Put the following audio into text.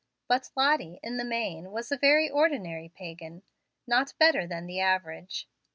But Lottie, in the main, was a very ordinary pagan, not better than the average.